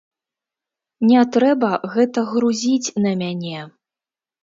Не трэба гэта грузіць на мяне.